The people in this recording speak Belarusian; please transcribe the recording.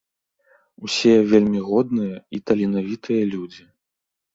Усе вельмі годныя і таленавітыя людзі.